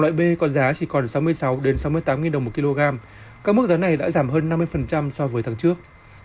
loại b còn giá chỉ còn sáu mươi sáu sáu mươi tám đồng một kg các mức giá này đã giảm hơn năm mươi so với tháng trước